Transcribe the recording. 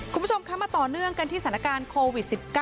คุณผู้ชมคะมาต่อเนื่องกันที่สถานการณ์โควิด๑๙